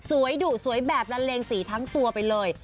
ดุสวยแบบละเลงสีทั้งตัวไปเลย